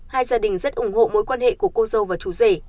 hai gia đình rất ủng hộ mối quan hệ của cô dâu và chủ rể